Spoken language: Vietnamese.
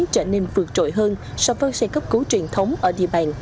trở nên vượt trội hơn so với xe cấp cứu truyền thống ở địa bàn